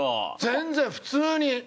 全然普通に。